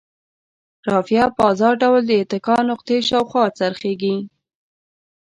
رافعه په ازاد ډول د اتکا نقطې شاوخوا څرخیږي.